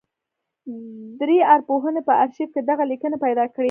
درې ارواپوهانو په ارشيف کې دغه ليکنې پیدا کړې.